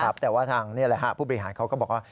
ครับแต่ว่าทางนี้แหละครับผู้บริหารเขาก็บอกว่า